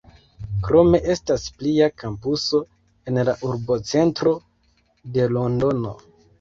Krome, estas plia kampuso en la urbocentro de Londono.